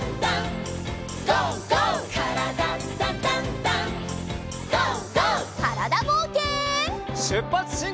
からだぼうけん。